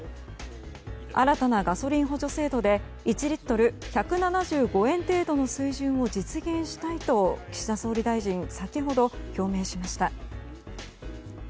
新たなガソリン補助制度で１リットル１７５円程度の水準を実現したいと岸田総理大臣先ほど表明しました。